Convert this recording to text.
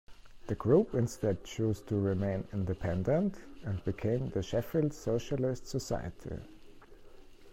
The group instead chose to remain independent, and became the Sheffield Socialist Society.